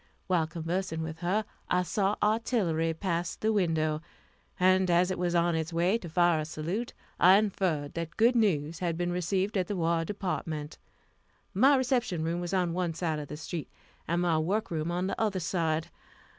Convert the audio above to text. While conversing with her, I saw artillery pass the window; and as it was on its way to fire a salute, I inferred that good news had been received at the War Department. My reception room was on one side of the street, and my work room on the other side.